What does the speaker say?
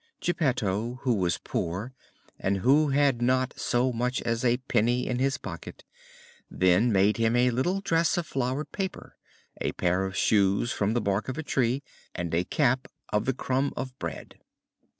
Geppetto, who was poor and who had not so much as a penny in his pocket, then made him a little dress of flowered paper, a pair of shoes from the bark of a tree, and a cap of the crumb of bread.